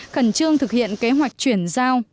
khẩn trương thực hiện kế hoạch chuyển giao